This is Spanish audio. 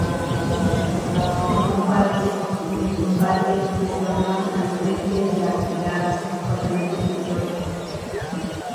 Tomó parte en el combate de Torreón al frente de la Brigada "Guadalupe Victoria".